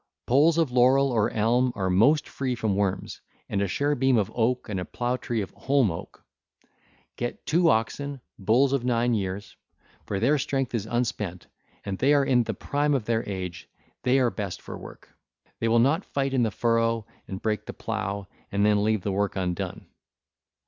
Poles of laurel or elm are most free from worms, and a share beam of oak and a plough tree of holm oak. Get two oxen, bulls of nine years; for their strength is unspent and they are in the prime of their age: they are best for work. They will not fight in the furrow and break the plough and then leave the work undone.